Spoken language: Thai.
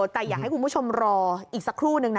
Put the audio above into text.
แต่อยากให้คุณผู้ชมรออีกสักครู่นึงนะ